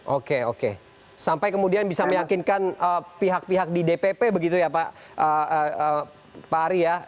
oke oke sampai kemudian bisa meyakinkan pihak pihak di dpp begitu ya pak ari ya